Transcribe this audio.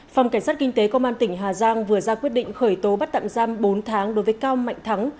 phòng cảnh sát kinh tế công an tỉnh hà giang vừa ra quyết định khởi tố bắt tạm giam bốn tháng đối với cao mạnh thắng